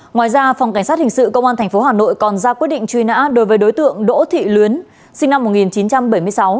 ngoài ra phòng cảnh sát hình sự công an tp hà nội còn ra quyết định truy nã đối với đối tượng đỗ thị luyến sinh năm một nghìn chín trăm bảy mươi sáu